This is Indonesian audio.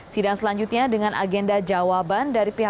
sidang selanjutnya dengan agenda jawaban dari pihak